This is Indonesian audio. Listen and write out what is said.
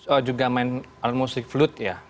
oh juga main musik flut ya